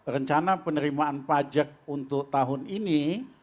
rencana penerimaan pajak untuk tahun ini